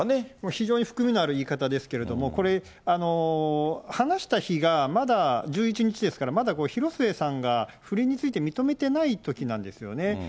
非常に含みのある言い方ですけれども、これ、話した日がまだ１１日ですから、まだ広末さんが不倫について認めてないときなんですよね。